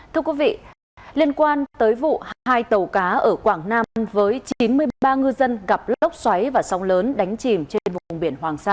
thưa quý vị liên quan tới vụ hai tàu cá ở quảng nam với chín mươi ba ngư dân gặp lốc xoáy và sóng lớn đánh chìm trên vùng biển hoàng sa